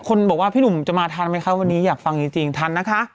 คนบอกว่าพี่หนุ่มจะมาทันไหมคะวันนี้อยากฟังจริงทันนะคะ